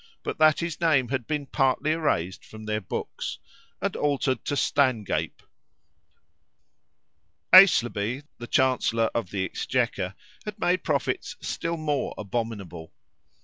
but that his name had been partly erased from their books, and altered to Stangape. Aislabie, the Chancellor of the Exchequer, had made profits still more abominable.